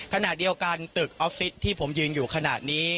ขณะเดียวกันตึกออฟฟิศที่ผมยืนอยู่ขณะนี้